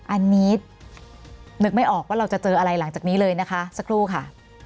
อันนี้นึกไม่ออกว่าเราจะเจออะไรหลังจากนี้เลยนะคะสักครู่ค่ะ